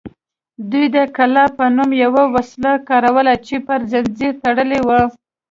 دوی د قلاب په نوم یوه وسله کاروله چې پر زنځیر تړلې وه